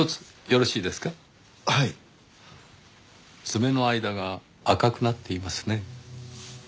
爪の間が赤くなっていますね。